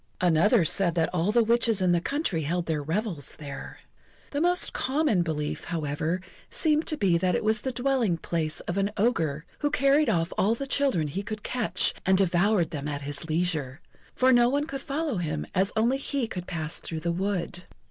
Another said that all the witches in the country held their revels there. The most common belief, however, seemed to be that it was the dwelling place of an ogre, who carried off all the children he could catch, and devoured them at his leisure; for no one could follow him, as only he could pass through the wood.